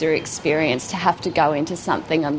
untuk melakukan sesuatu dan mencari